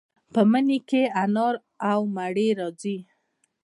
په مني کې انار او مڼې راځي.